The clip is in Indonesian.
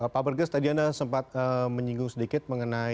pak berges tadi anda sempat menyinggung sedikit mengenai